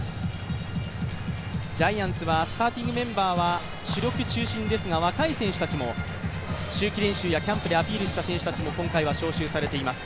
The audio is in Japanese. ジャイアンツはスターティングメンバーは主力中心ですが、若い選手たちも、秋季練習やキャンプでアピールした選手たちも今回は招集されています。